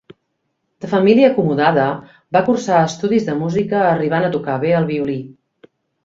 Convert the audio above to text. De família acomodada, va cursar estudis de música arribant a tocar bé el violí.